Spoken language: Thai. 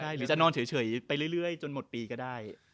หรือจะนอนเฉยไปเรื่อยจนหมดปีก็ได้